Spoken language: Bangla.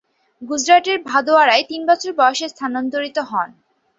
গুজরাটের ভাদোদারায় তিন বছর বয়সে স্থানান্তরিত হন।